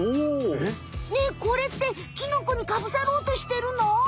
ねえこれってキノコにかぶさろうとしてるの？